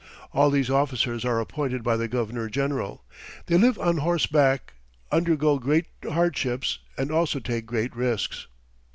All these officers are appointed by the governor general. They live on horseback, undergo great hardships and also take great risks.